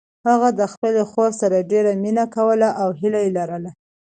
هغه د خپلې خور سره ډیره مینه کوي او هیله لري